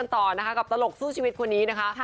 ต่อนะคะกับตลกสู้ชีวิตคนนี้นะคะ